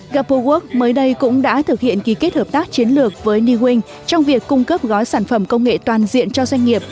gapowork mới đây cũng đã thực hiện ký kết hợp tác chiến lược với nighunh trong việc cung cấp gói sản phẩm công nghệ toàn diện cho doanh nghiệp